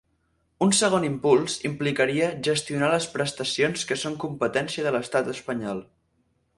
Un segon impuls implicaria gestionar les prestacions que són competència de l’estat espanyol.